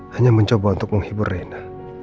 hanya mencoba untuk menghibur rena